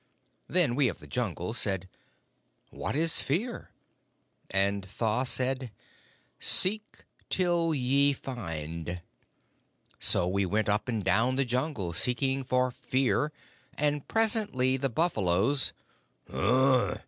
Then we of the Jungle said, 'What is Fear?' And Tha said, 'Seek till ye find.' So we went up and down the Jungle seeking for Fear, and presently the buffaloes " "Ugh!"